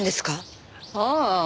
ああ。